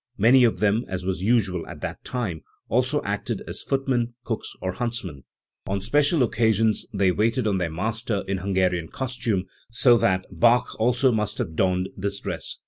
Many of them as was usual at that time, also acted as footmen, cooks or huntsmen. On special occasions they waited on their master in Hungarian costume; so that Bach also must have donned this dress f.